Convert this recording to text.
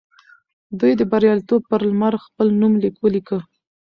دوی د بریالیتوب پر لمر خپل نوم ولیکه.